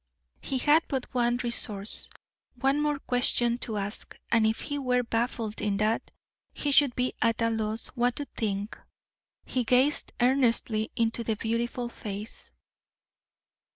He had but one resource, one more question to ask, and if he were baffled in that, he should be at a loss what to think. He gazed earnestly into the beautiful face.